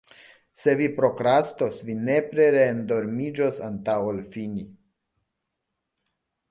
Se vi prokrastos, vi nepre re-endormiĝos antaŭ ol fini.